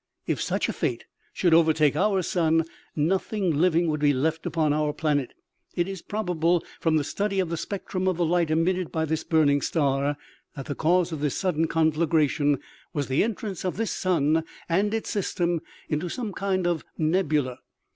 If such a fate should overtake our sun, nothing living would be left upon our planet. It is probable, from the study of the spectrum of the light emitted by this burn ing star, that the cause of this sudden conflagration was the entrance of this sun and its system into some kind of nebula.